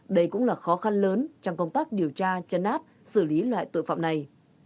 đây cũng là khó khăn lớn trong công tác điều tra chấn áp xử lý loại tội phạm này